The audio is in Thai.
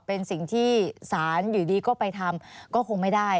เป็นสิ่งที่ศาลอยู่ดีก็ไปทำก็คงไม่ได้